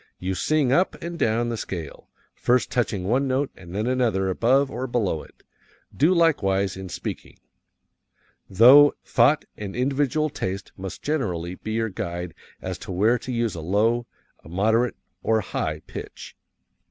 You sing up and down the scale, first touching one note and then another above or below it. Do likewise in speaking. Thought and individual taste must generally be your guide as to where to use a low, a moderate, or a high pitch.